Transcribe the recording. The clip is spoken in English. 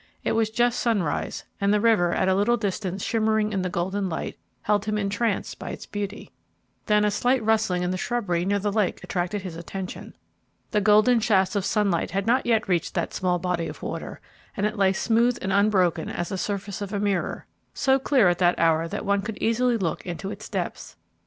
It was just sunrise, and the river, at a little distance shimmering in the golden light, held him entranced by its beauty. Then a slight rustling in the shrubbery near the lake attracted his attention. The golden shafts of sunlight had not yet reached that small body of water, and it lay smooth and unbroken as the surface of a mirror, so clear at that hour that one could easily look into its depths.